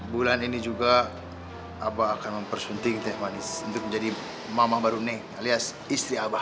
bulan ini juga abah akan mempersunting teh manis untuk menjadi mamah barune alias istri abah